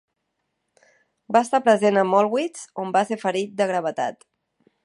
Va estar present a Mollwitz, on va ser ferit de gravetat.